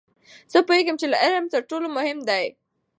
زه پوهیږم چې علم تر ټولو مهم دی.